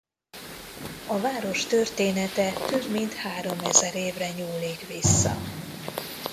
A város története több mint háromezer évre nyúlik vissza.